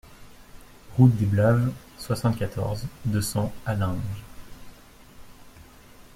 Route des Blaves, soixante-quatorze, deux cents Allinges